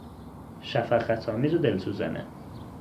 شفقتآمیز و دلسوزانه